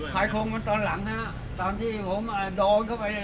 แค่แค่หน้าพันธุ์หักเรื่องนะ